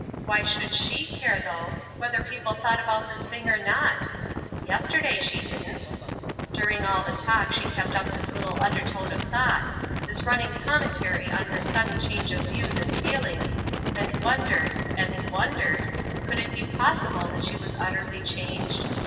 Why should she care, though, whether people thought about this thing or not? Yesterday she didn't. During all the talk she kept up this little undertone of thought, this running commentary on her sudden change of views and feelings, and wondered, and wondered, could it be possible that she was utterly changed?